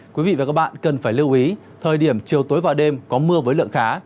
quý vị và các bạn cần phải lưu ý thời điểm chiều tối và đêm có mưa với lượng khá